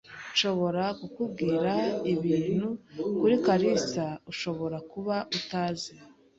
Nshobora kukubwira ibintu kuri kalisa ushobora kuba utazi.